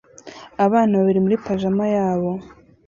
Abana babiri muri pajama yabo